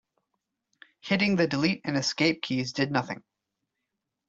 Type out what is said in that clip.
Hitting the delete and escape keys did nothing.